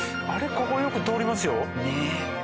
ここよく通りますよ。